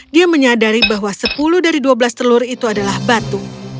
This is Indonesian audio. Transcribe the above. dia menyadari bahwa sepuluh dari dua belas telur itu adalah batu